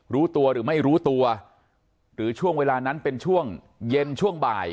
รู้ตัวหรือไม่รู้ตัวหรือช่วงเวลานั้นเป็นช่วงเย็นช่วงบ่าย